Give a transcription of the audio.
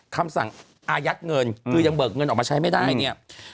คำสั่งอายัดเงินคือยังเบิกเงินออกมาใช้ไม่ได้เนี่ย